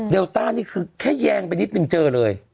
ต้านี่คือแค่แยงไปนิดนึงเจอเลย